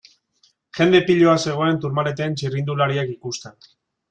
Jende piloa zegoen Tourmaleten txirrindulariak ikusten.